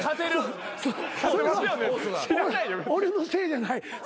それは俺のせいじゃない。